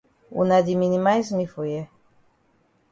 Wuna di minimize me for here.